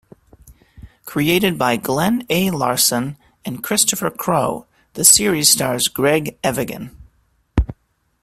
Created by Glen A. Larson and Christopher Crowe, the series stars Greg Evigan.